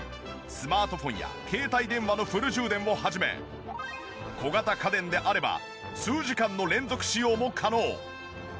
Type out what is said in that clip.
スマートフォンや携帯電話のフル充電を始め小型家電であれば数時間の連続使用も可能！